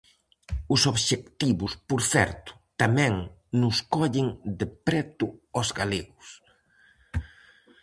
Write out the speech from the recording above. Os obxectivos, por certo, tamén nos collen de preto aos galegos.